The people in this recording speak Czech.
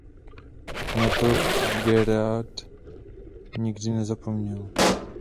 Na to Gérard nikdy nezapomněl.